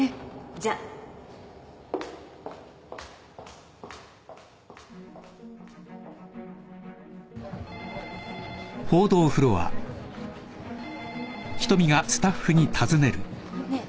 じゃ。ねえ？